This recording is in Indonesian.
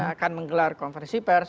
akan menggelar konversi pers